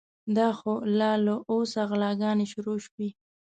دا خو لا له اوسه غلاګانې شروع شوې.